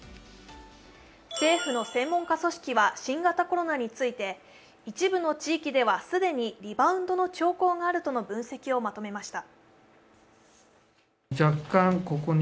政府の専門家組織は新型コロナについて、一部の地域では既にリバウンドの兆候があるとの分析をまとめました。